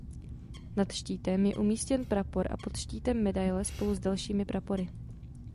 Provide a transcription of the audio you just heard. Nad štítem je umístěn prapor a pod štítem medaile spolu s dalšími prapory.